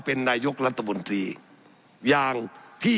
สับขาหลอกกันไปสับขาหลอกกันไป